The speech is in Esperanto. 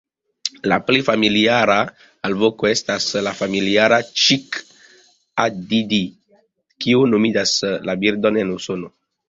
La plej familiara alvoko estas la familiara "ĉik-a-di-di-di" kio nomigas la birdon en Usono.